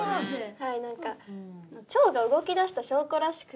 はい何か腸が動きだした証拠らしくて。